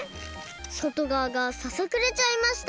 そとがわがささくれちゃいました！